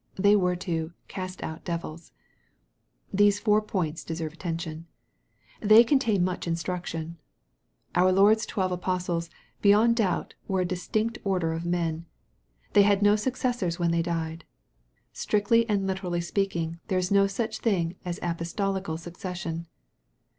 They were to " cast out devils." These four points deserve attention. They contain much instruction. Our Lord's twelve apostles, beyond doubt, were a distinct order of men. They had no successors when they died. Strictly and literally speak ing, there is no such thing as apostolical succession.